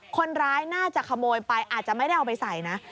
คนร้ายน่าจะขโมยไปอาจจะไม่ได้เอาไปใส่นะ